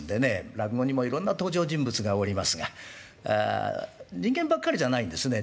落語にもいろんな登場人物がおりますが人間ばっかりじゃないんですね